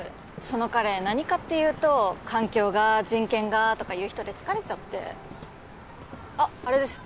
その彼何かっていうと環境が人権がとか言う人で疲れちゃってあっあれです